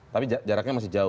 tapi jaraknya masih jauh